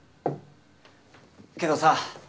けどさ